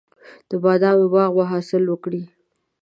د بادامو باغ به حاصل وکړي.